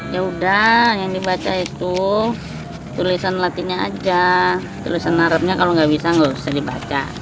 ya udah yang dibaca itu tulisan latihnya aja tulisan arabnya kalau nggak bisa nggak usah dibaca